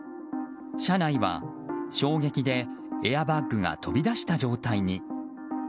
車内は衝撃でエアバッグが飛び出した状態に。